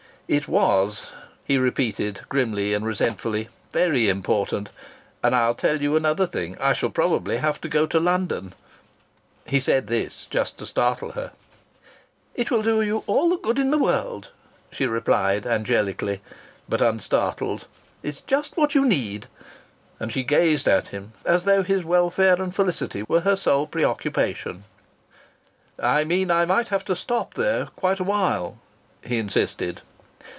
"It was!" he repeated grimly and resentfully. "Very important! And I'll tell you another thing. I shall probably have to go to London." He said this just to startle her. "It will do you all the good in the world," she replied angelically, but unstartled. "It's just what you need!" And she gazed at him as though his welfare and felicity were her sole preoccupation. "I meant I might have to stop there quite a while," he insisted.